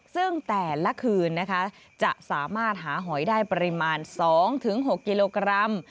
ซึ่งแต่ละคืนนะคะจะสามารถหาหอยได้ปริมาณ๒๖กิโลกรัม